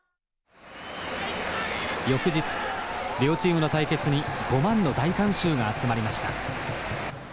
翌日両チームの対決に５万の大観衆が集まりました。